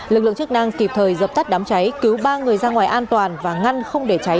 lực lượng chức năng kịp thời dập tắt đám cháy cứu ba người ra ngoài an toàn và ngăn không để cháy